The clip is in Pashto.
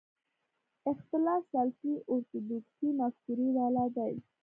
اختلاف سلفي اورتودوکسي مفکورې والا دي.